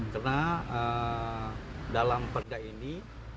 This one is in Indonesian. karena dalam perda ini